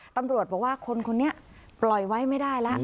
ตำรวจบอกว่าคนคนนี้ปล่อยไว้ไม่ได้แล้ว